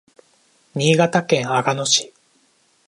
新潟県阿賀野市